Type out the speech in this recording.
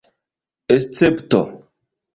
escepto